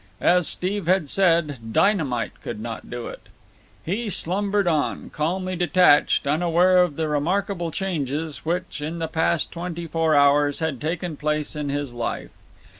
As Steve had said, dynamite could not do it. He slumbered on, calmly detached, unaware of the remarkable changes which, in the past twenty four hours, had taken place in his life.